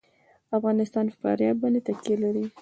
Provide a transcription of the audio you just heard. افغانستان په فاریاب باندې تکیه لري.